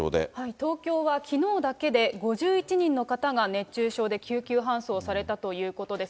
東京はきのうだけで、５１人の方が熱中症で救急搬送されたということです。